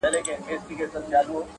چي مېږي ته خدای په قار سي وزر ورکړي-